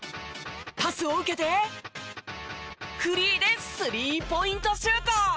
パスを受けてフリーでスリーポイントシュート。